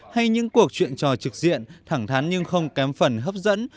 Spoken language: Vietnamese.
hay những cuộc chuyện trò trực diện thẳng thắn nhưng không kém phần hấp dẫn